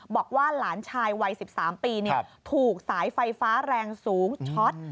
บอกว่าหลานชายวัย๑๓ปีถูกสายไฟฟ้าแรงสูงช็อต